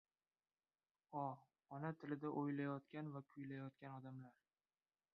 O, ona tilida o‘ylayotgan va kuylayotgan odamlar!